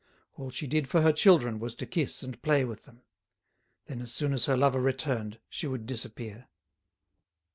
All she did for her children was to kiss and play with them. Then as soon as her lover returned she would disappear.